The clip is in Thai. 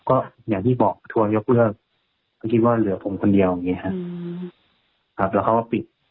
ก็อย่างที่บอกทัวร์ยกเบื้อก็คิดว่าเหลือผมคนเดียวแล้วเขาก็ปิด